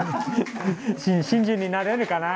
真珠になれるかな。